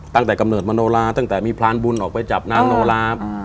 ตั้งแต่กำเนิดมโนราตั้งแต่มีพลานบุญออกไปจับน้ำโนราป